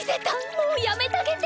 もうやめたげて！